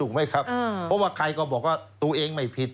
ไหมครับเพราะว่าใครก็บอกว่าตัวเองไม่ผิด